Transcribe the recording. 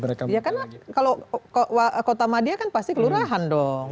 karena kalau kota madia kan pasti kelurahan dong